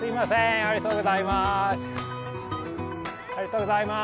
ありがとうございます。